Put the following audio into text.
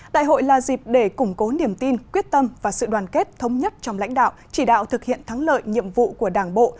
đại hội là dịp để củng cố niềm tin quyết tâm và sự đoàn kết thống nhất trong lãnh đạo chỉ đạo thực hiện thắng lợi nhiệm vụ của đảng bộ